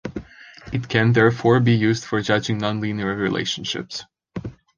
It can therefore be used for judging non-linear relationships.